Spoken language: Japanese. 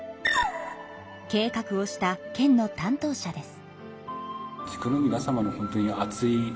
計画をした県の担当者です。